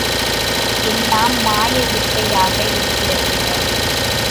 எல்லாம் மாய வித்தையாக இருக்கிறதே!